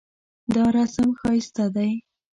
دا رسم ښایسته دی